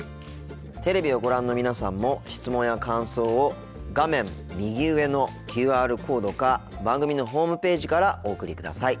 テレビをご覧の皆さんも質問や感想を画面右上のＱＲコードか番組のホームページからお送りください。